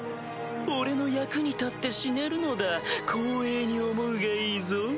俺の役に立って死ねるのだ光栄に思うがいいぞ。